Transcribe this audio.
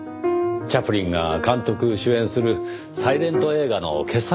チャップリンが監督・主演するサイレント映画の傑作ですねぇ。